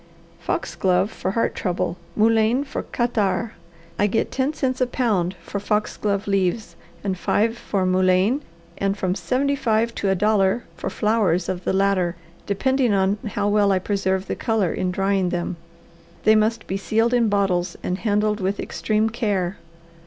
"Foxglove for heart trouble, and mullein for catarrh. I get ten cents a pound for foxglove leaves and five for mullein and from seventy five to a dollar for flowers of the latter, depending on how well I preserve the colour in drying them. They must be sealed in bottles and handled with extreme care."